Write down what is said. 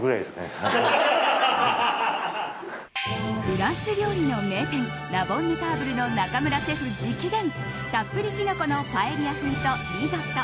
フランス料理の名店ラ・ボンヌターブルの中村シェフ直伝たっぷりキノコのパエリア風とリゾット。